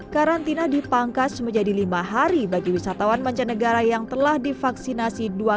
dua puluh dua karantina dipangkas menjadi lima hari bagi wisatawan mancanegara yang telah divaksinasi dua